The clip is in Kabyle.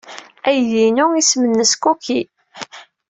Aydi-inu isem-nnes Cookie.